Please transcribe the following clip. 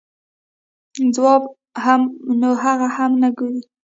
جواب هم وکړم نو هغه هم نۀ ګوري -